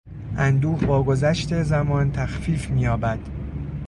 اندوه با گذشت زمان تخفیف مییابد.